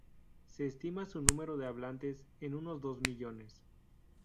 Se estima su número de hablantes en unos dos millones.